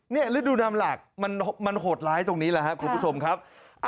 แล้วดูน้ำหลากมันโหดร้ายตรงนี้คุณผู้ชมครับ